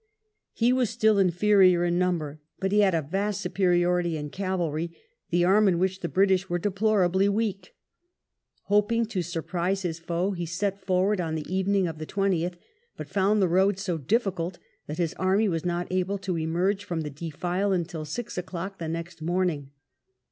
He was still inferior in number, but he had a vast superiority in cavalry, the arm in which the British were deplorably weak Hoping to surprise his foe, he set forward on the evening of the 20th, but found the road so difficult that his army was not able to emerge from the defile until six o'clock the next morning.